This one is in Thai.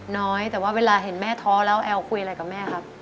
น้อยแต่ว่าเวลาเห็นแม่ท้อแล้วแอลคุยอะไรกับแม่ครับ